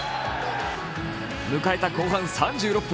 迎えた後半３６分